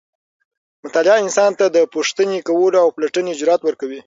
مطالعه انسان ته د پوښتنې کولو او پلټنې جرئت ورکوي.